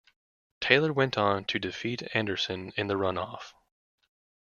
Taylor went on to defeat Anderson in the runoff.